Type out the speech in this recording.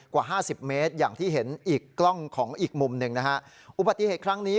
กว่าห้าสิบเมตรอย่างที่เห็นอีกกล้องของอีกมุมหนึ่งนะฮะอุบัติเหตุครั้งนี้